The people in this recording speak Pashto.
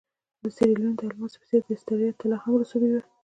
د سیریلیون د الماسو په څېر د اسټرالیا طلا هم رسوبي وه.